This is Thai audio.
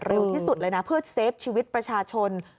เร็วที่สุดเลยนะเพื่อเซฟชีวิตประชาชน